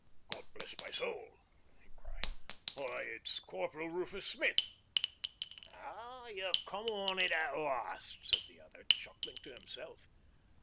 "God bless my soul!" he cried. "Why, it's Corporal Rufus Smith." "You've come on it at last," said the other, chuckling to himself.